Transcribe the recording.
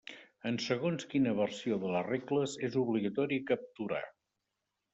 En segons quina versió de les regles és obligatori capturar.